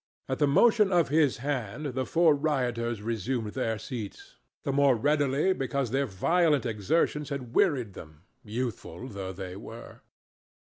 At the motion of his hand the four rioters resumed their seats—the more readily because their violent exertions had wearied them, youthful though they were.